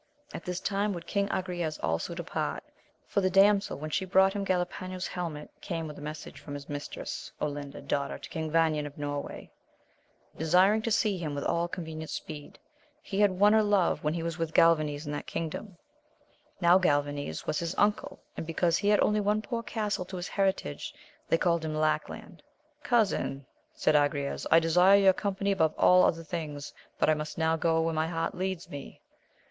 At this time would Agrayes also depart; for the damsel, when she brought him Galpano's helmet, came with a message from his mistress, Olinda, daughter to King Vanayn of Norway, desiring to see him with all convenient speed. He \v^i n^ou \iet Vyq^ ^Wcv. W AMADIS OF GAUL. 63 was with Galvanes in that kingdom. Now Galvanes was his uncle, and because he had only one poor castle to his heritage, they called him Lackland.* Cousin, said Agrayes, I desire your company above all other things, but I must now go where my heart leads me.